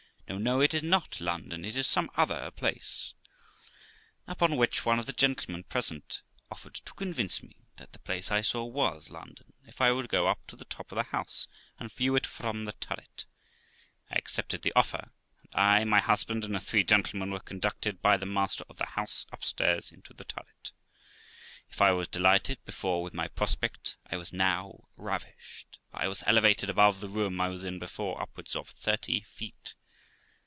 No, no, it is not London, it is some other place !' Upon which one of the gentlemen present offered to convince me that the place I saw was London if I would go up to the top of the house, and view it from the turret I accepted the offer, and I, my husband, and the three gentlemen were conducted by the master of the house upstairs into the turret. If I was delighted before with my prospect, I was now ravished, for I was elevated above the room I was in before up wards of thirty feet.